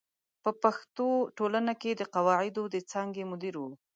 په پښتو ټولنه کې د قواعدو د څانګې مدیر و.